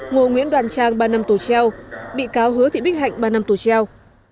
ngô nguyễn đoàn trang ba năm tù treo bị cáo hứa thị bích hạnh ba năm tù treo